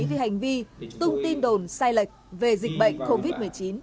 vì hành vi tung tin đồn sai lệch về dịch bệnh covid một mươi chín